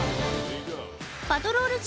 パトロール中